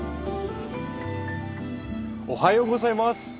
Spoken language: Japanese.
おはようございます。